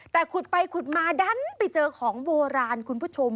แต่ขุดไปขุดมาดันไปเจอของโบราณคุณผู้ชม